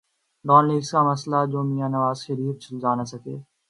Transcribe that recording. Dawn leaks کا مسئلہ جو میاں نواز شریف سلجھا نہ سکے۔